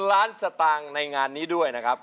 ล้านสตางค์ในงานนี้ด้วยนะครับ